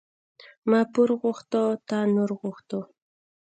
ما پور غوښته، تا نور غوښته.